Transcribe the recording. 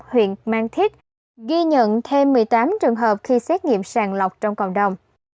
huyện mang thít ghi nhận thêm một mươi tám trường hợp khi xét nghiệm sàng lọc trong cộng đồng